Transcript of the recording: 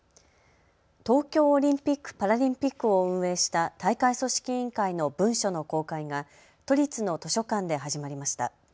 東京オリンピック・パラリンピックを運営した大会組織委員会の文書の公開が都立の図書館で始まりました。